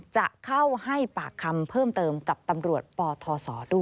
จะเข้าให้ปากคำเพิ่มเติมกับตำรวจปทศด้วย